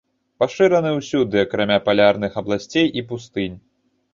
Пашыраны ўсюды, акрамя палярных абласцей і пустынь.